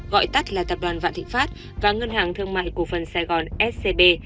gọi tắt là tập đoàn vạn thịnh pháp và ngân hàng thương mại cổ phần sài gòn scb